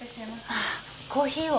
あっコーヒーを。